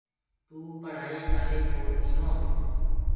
تو پڙهآئي ڪآلي ڇوڙ دينو۔